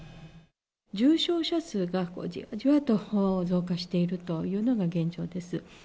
重症者数が、じわじわと増加しているというのが現状です。